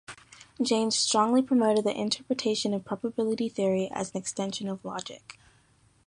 Jaynes strongly promoted the interpretation of probability theory as an extension of logic.